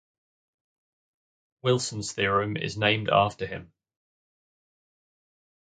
Wilson's theorem is named after him.